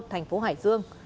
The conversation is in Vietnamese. thành phố hải dương